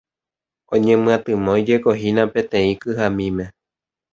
Oñemyatymoijekohína peteĩ kyhamíme.